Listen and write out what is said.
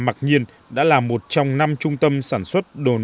mặc nhiên đã là một trong năm trung tâm sản xuất đồ nội dung